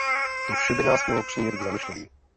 To vše by nás mělo přimět k zamyšlení.